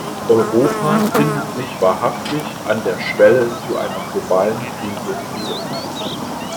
Europa findet sich wahrhaftig an der Schwelle zu einer globalen Krise wieder.